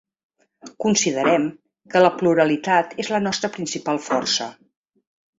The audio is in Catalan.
Considerem que la pluralitat és la nostra principal força.